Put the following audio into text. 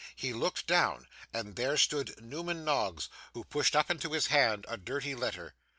He looked down, and there stood Newman Noggs, who pushed up into his hand a dirty letter.